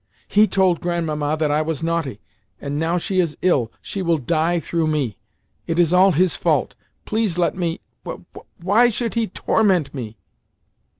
He told Grandmamma that I was naughty, and now she is ill—she will die through me. It is all his fault. Please let me—W why should he tor ment me?"